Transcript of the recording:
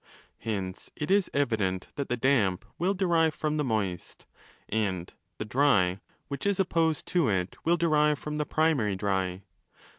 Hence it is evident that the damp will derive from the moist, and 'the dry' which is opposed to it will derive from the primary dry.